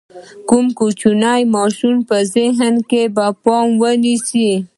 یو کوچنی ماشوم په خپل ذهن کې په پام کې ونیسئ.